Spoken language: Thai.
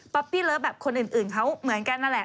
ปี้เลิฟแบบคนอื่นเขาเหมือนกันนั่นแหละ